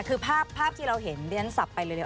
คือภาพที่เราเห็นเดี๋ยวนั้นสับไปเร็ว